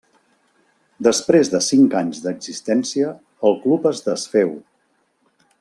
Després de cinc anys d'existència el club es desféu.